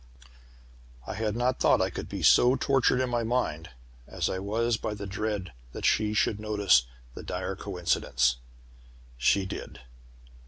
"I had not thought I could be so tortured in my mind as I was by the dread that she should notice the dire coincidence. "She did!